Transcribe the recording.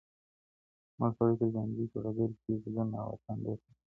مړ سړی تر ژوندي په ډګر کي ږدن او اتڼ ډېر خوښوي.